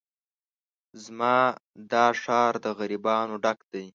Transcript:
زما دا ښار د غريبانو ډک دی